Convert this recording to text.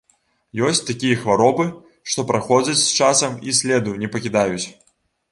Ёсць такія хваробы, што праходзяць з часам і следу не пакідаюць.